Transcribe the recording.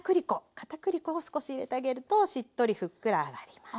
かたくり粉を少し入れてあげるとしっとりふっくらあがります。